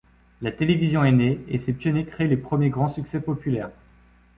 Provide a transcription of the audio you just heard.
La télévision est née, et ses pionniers créent les premiers grands succès populaires.